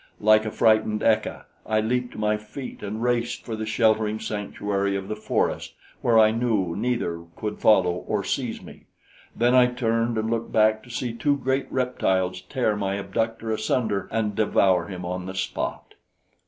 Like a frightened ecca I leaped to my feet and raced for the sheltering sanctuary of the forest, where I knew neither could follow or seize me. Then I turned and looked back to see two great reptiles tear my abductor asunder and devour him on the spot.